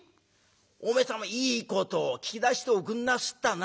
おめえさんもいいことを聞き出しておくんなすったな。